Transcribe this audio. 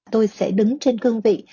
tôi sẽ đứng trên cương vị